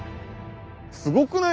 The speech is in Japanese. すごくない？